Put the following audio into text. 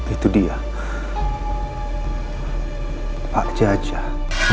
itu dia pak jajak